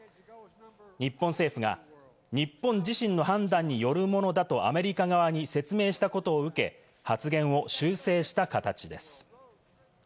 日本政府が日本自身の判断によるものだとアメリカ側に説明したことを受け、発言を修正した形です。